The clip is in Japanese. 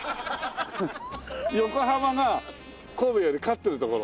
横浜が神戸より勝ってるところ。